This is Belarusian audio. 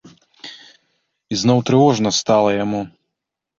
І зноў трывожна стала яму.